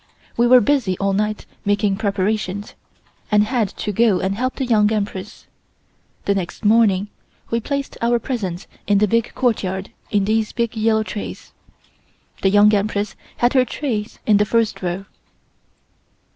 We were busy all night making preparations, and had to go and help the Young Empress. The next morning we placed our presents in the big courtyard in these big yellow trays. The Young Empress had her trays in the first row.